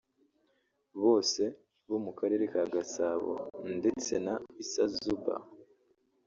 bose bo mu Karere ka Gasabo ndetse na Issa Zuber